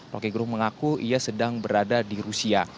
roky gerung mengaku ia sedang berada di rusia